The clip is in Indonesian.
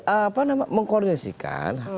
apa namanya mengkornisikan